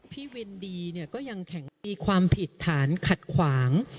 พี่วินดีก็ยังแข็งความผิดฐานขัดขวาง